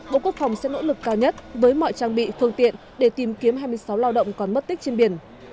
bộ quốc phòng sẽ nỗ lực cao nhất với mọi trang bị phương tiện để tìm kiếm hai mươi sáu lao động còn mất tích trên biển